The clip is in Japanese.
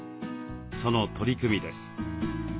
その取り組みです。